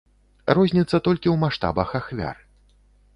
Розніца толькі ў маштабах ахвяр.